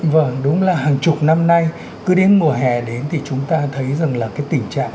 vâng đúng là hàng chục năm nay cứ đến mùa hè đến thì chúng ta thấy rằng là cái tình trạng